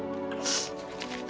aku emang kecewa banget